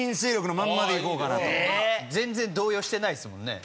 全然動揺してないですもんね。